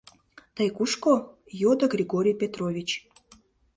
— Тый кушко? — йодо Григорий Петрович.